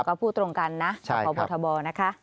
เหมือนกับผู้ตรงกันนะพบทบนะคะ